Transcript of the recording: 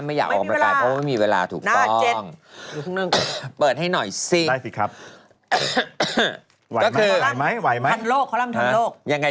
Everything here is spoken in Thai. ไม่อยากออกกำลังกายเพราะไม่มีเวลาถูกต้องอเรนนี่หน้า๗